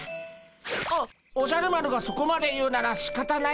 おおじゃる丸がそこまで言うならしかたないでゴンス。